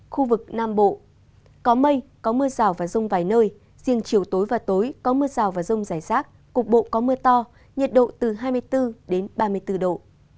khu vực nam bộ có mây có mưa rào và rông vài nơi riêng chiều tối và tối có mưa rào và rông rải rác cục bộ có mưa to nhiệt độ từ hai mươi bốn ba mươi bốn độ